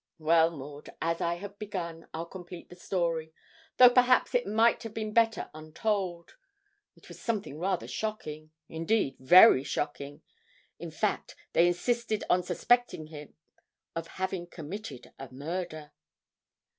'Well, Maud, as I have begun, I'll complete the story, though perhaps it might have been better untold. It was something rather shocking indeed, very shocking; in fact, they insisted on suspecting him of having committed a murder.'